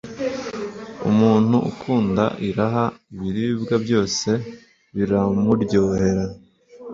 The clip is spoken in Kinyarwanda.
umuntu ukunda iraha, ibiribwa byose biramuryohera